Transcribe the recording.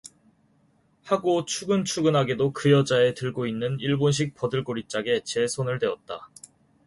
하고 추근추근하게도 그 여자의 들고 있는 일본식 버들고리짝에 제 손을 대었다.